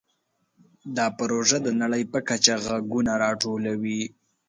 دا پروژه د نړۍ په کچه غږونه راټولوي.